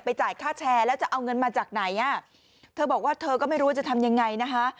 จ่ายค่าแชร์แล้วจะเอาเงินมาจากไหนอ่ะเธอบอกว่าเธอก็ไม่รู้ว่าจะทำยังไงนะคะ